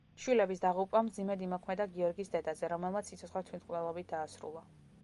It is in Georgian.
შვილების დაღუპვამ მძიმედ იმოქმედა გიორგის დედაზე, რომელმაც სიცოცხლე თვითმკვლელობით დაასრულა.